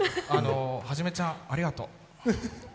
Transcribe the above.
ハジメちゃんありがとう。